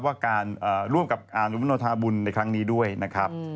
ว่าการร่วมกับอนุมโนธาบุญในครั้งนี้ด้วยนะครับ